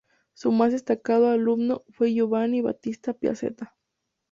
Su más destacado alumno fue Giovanni Battista Piazzetta.